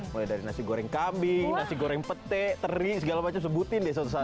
mulai dari nasi goreng kambing nasi goreng pete teri segala macam sebutin deh satu satu